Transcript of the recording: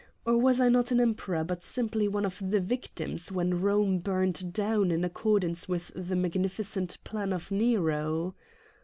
Or was I not an em peror but simply one of the " victims " when Rome burned down in accordance with the mag nificent plan of Nero